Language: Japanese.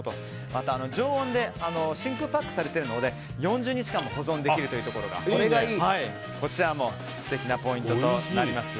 また常温で真空パックされているので４０日間も保存できるというところが素敵なポイントとなります。